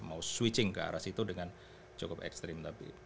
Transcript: mau switching ke arah situ dengan cukup ekstrim tapi